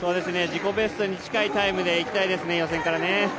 自己ベストに近いタイムでいきたいですね、予選からね。